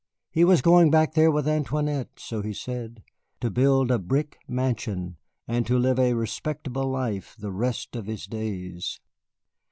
He was going back there with Antoinette, so he said, to build a brick mansion and to live a respectable life the rest of his days.